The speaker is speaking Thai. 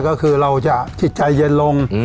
ก็คือเราจะจิตใจเย็นลง